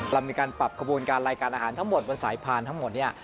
เรามีการปรับขบวนการรายการอาหารทั้งหมดบนสายพานทั้งหมดเนี่ย